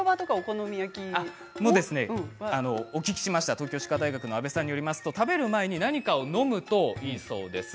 東京医科歯科大学の阿部さんによりますと食べる前に何かを飲むといいそうです。